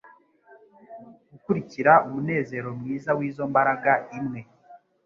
gukurikira umunezero mwiza wizo mbaraga imwe